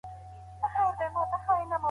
په لاس خط لیکل د یاداښتونو غوره طریقه ده.